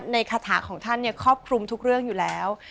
คาถาของท่านครอบคลุมทุกเรื่องอยู่แล้ว